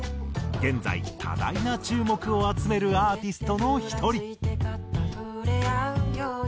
現在多大な注目を集めるアーティストの１人。